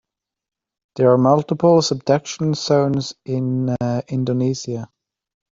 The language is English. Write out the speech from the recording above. There are multiple subduction zones in Indonesia.